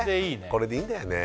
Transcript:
これでいいんだよね